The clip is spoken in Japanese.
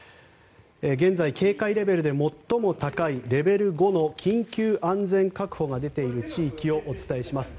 現在、警戒レベルで最も高いレベル５の緊急安全確保が出ている地域をお伝えします。